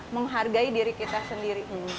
menghargai diri kita sendiri